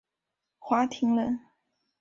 华亭人。